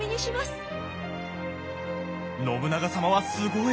信長様はすごい。